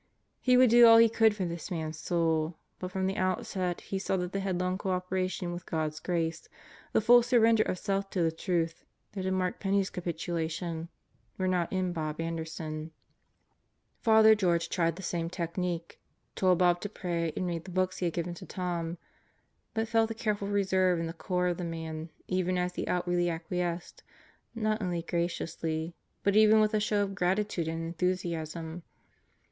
He would do all he could for this man's soul, but from the outset he saw that the headlong co operation with God's grace, the full surrender of self to the truth, that had marked Penney's capitulation, were not in Bob Anderson, Father George tried the same technique: told Bob to pray and read the books he had given to Tom, but felt the careful reserve in the core of the man even as he outwardly acquiesced not only graciously but even with a show of gratitude and enthusiasm.